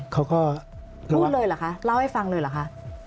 พูดเลยหรือคะเล่าให้ฟังเลยหรือคะ